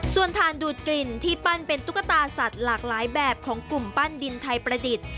ส่วนฐานดูดกลิ่นที่ปั้นเป็นตุ๊กตาสัตว์หลากหลายแบบของกลุ่มปั้นดินไทยประดิษฐ์